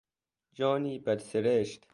جانی بد سرشت